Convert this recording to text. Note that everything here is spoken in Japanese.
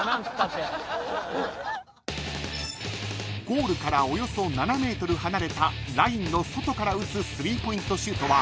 ［ゴールからおよそ７ｍ離れたラインの外から打つ３ポイントシュートは］